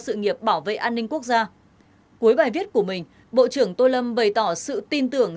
sự nghiệp bảo vệ an ninh quốc gia cuối bài viết của mình bộ trưởng tô lâm bày tỏ sự tin tưởng